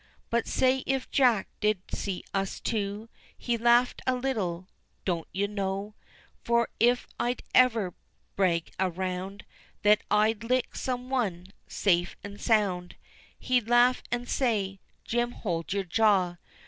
But say, if Jack did see us two He laughed a little, don't you know, For if I'd ever brag around That I'd lick some one, safe an' sound, He'd laugh an' say, "Jim, hold your jaw!